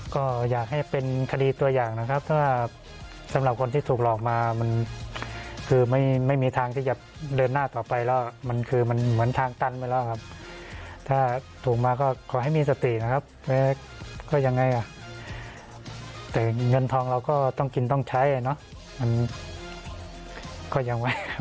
ก็อยากให้เป็นคดีตัวอย่างนะครับถ้าสำหรับคนที่ถูกหลอกมามันคือไม่มีทางที่จะเดินหน้าต่อไปแล้วมันคือมันเหมือนทางตันไปแล้วครับถ้าถูกมาก็ขอให้มีสตินะครับก็ยังไงอ่ะแต่เงินทองเราก็ต้องกินต้องใช้เนาะ